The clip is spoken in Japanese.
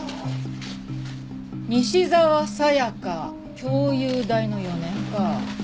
西沢紗香共侑大の４年か。